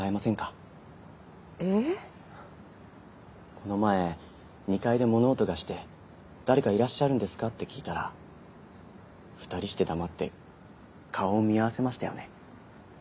この前２階で物音がして誰かいらっしゃるんですかって聞いたら２人して黙って顔を見合わせましたよね？